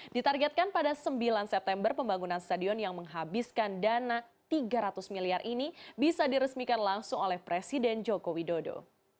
ditargetkan pada sembilan september pembangunan stadion yang menghabiskan dana tiga ratus miliar ini bisa diresmikan langsung oleh presiden joko widodo